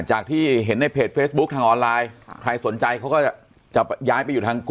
ที่เห็นในเพจเฟซบุ๊คทางออนไลน์ใครสนใจเขาก็จะย้ายไปอยู่ทาง